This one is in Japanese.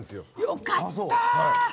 よかった！